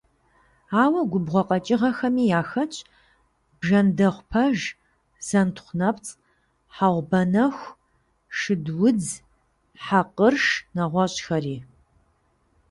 Ауэ губгъуэ къэкӀыгъэхэми яхэтщ бжэндэхъупэж, зэнтхъунэпцӀ, хьэгъубэнэху, шыдудз, хьэкъырш, нэгъуэщӀхэри.